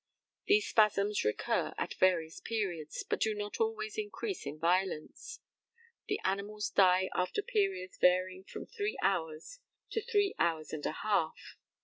These spasms recur at various periods, but do not always increase in violence. The animals die after periods varying from three hours to three hours and a half.